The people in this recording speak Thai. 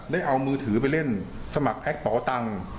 ได้เอามือถือไปเล่นสมัครแอคเป่าตังค์